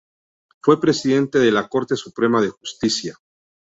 Fue presidente de la Corte Suprema de Justicia.